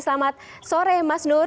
selamat sore mas nur